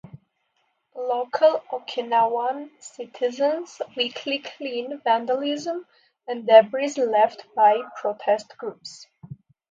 Local Okinawan citizens weekly clean vandalism and debris left by protest groups.